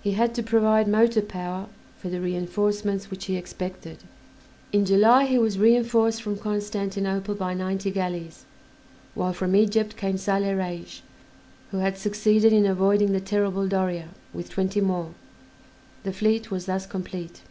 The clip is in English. He had to provide motor power for the reinforcements which he expected. In July he was reinforced from Constantinople by ninety galleys, while from Egypt came Saleh Reis, who had succeeded in avoiding the terrible Doria, with twenty more; the fleet was thus complete.